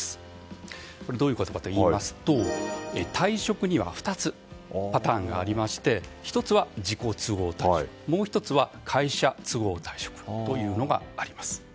どういうことかというと退職には２つのパターンがありまして１つは自己都合退職もう１つは会社都合退職というのがあります。